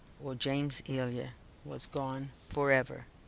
(or James Elia) was gone for ever.